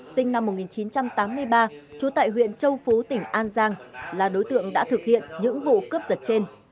sinh năm một nghìn chín trăm tám mươi ba trú tại huyện châu phú tỉnh an giang là đối tượng đã thực hiện những vụ cướp giật trên